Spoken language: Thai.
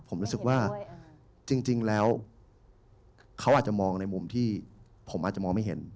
ผมรู้สึกว่าจริงแล้วเขาอาจจะมองในมุมที่ผมอาจจะมองไม่เห็น